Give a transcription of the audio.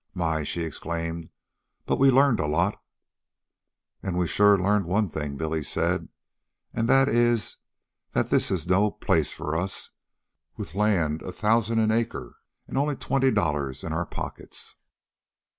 "My!" she exclaimed, "but we've learned a lot!" "An' we've sure learned one thing," Billy said. "An' that is that this is no place for us, with land a thousan' an acre an' only twenty dollars in our pockets."